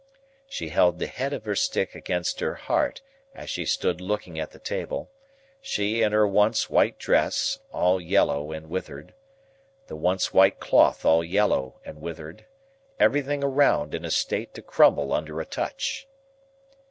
She held the head of her stick against her heart as she stood looking at the table; she in her once white dress, all yellow and withered; the once white cloth all yellow and withered; everything around in a state to crumble under a touch.